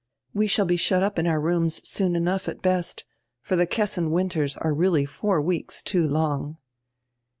We shall be shut up in our rooms soon enough, at best, for tire Kessin winters are really four weeks too long."